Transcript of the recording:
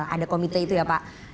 ada komite itu ya pak